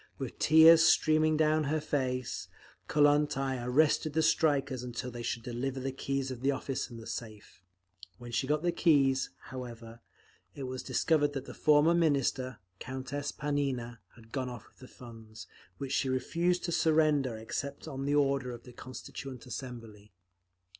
With tears streaming down her face, Kollontai arrested the strikers until they should deliver the keys of the office and the safe; when she got the keys, however, it was discovered that the former Minister, Countess Panina, had gone off with all the funds, which she refused to surrender except on the order of the Constituent Assembly.